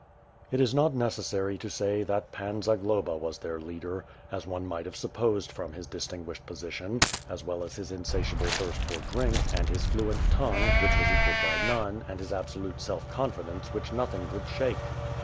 It is not necessary to say that Pan Zagloba was their leader, as one might have supposed from his distinguished position, as well as his insatiable thirst for drink, and his fluent tongue, which was equalled by none, and his absolute self confidence which nothing could shake.